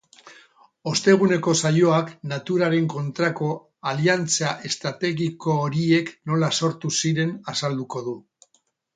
Osteguneko saioak naturaren kontrako aliantza estrategiko horiek nola sortu ziren azalduko du.